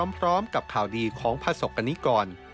พร้อมกับข่าวดีของประสบกรณิกร